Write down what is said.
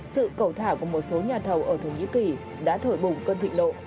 sự cầu thả của một số nhà thầu ở thổ nhĩ kỳ đã thổi bùng cơn thị độ